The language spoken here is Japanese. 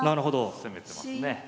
攻めてますね。